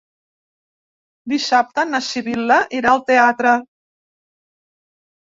Dissabte na Sibil·la irà al teatre.